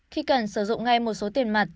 khi cần sử dụng ngay một số tiền mặt